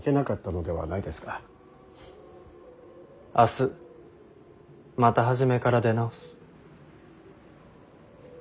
明日また初めから出直す。